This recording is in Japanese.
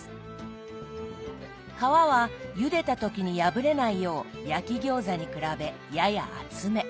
皮はゆでた時に破れないよう焼き餃子に比べやや厚め。